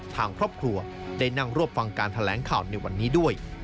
ทางครอบครัวได้นั่งรวบฟังการแถลงข่าวในวันนี้ด้วย